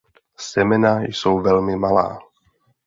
Semena jsou velmi malá.